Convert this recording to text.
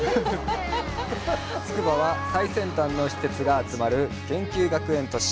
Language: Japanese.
つくばは、最先端の施設が集まる研究学園都市。